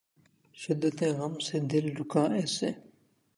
شدتِ غم سے دل رکا ایسے